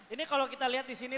ini kalau kita lihat disini